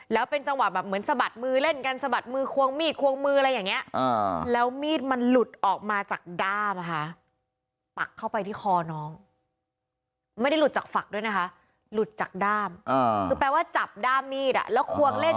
แล้วเป็นเฉียบแบบเหมือนสะบัดมือเล่นกันสะบัดมือควงมิดควงมืออะไรอย่างเนี้ย